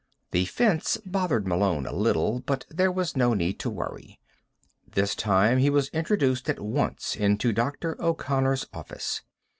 The fence bothered Malone a little, but there was no need to worry; this time he was introduced at once into Dr. O'Connor's office.